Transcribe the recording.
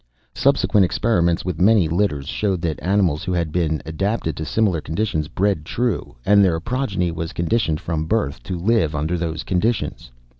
Subsequent experiments with many litters showed that animals who had been adapted to similar conditions bred true and their progeny was conditioned from birth to live under those conditions.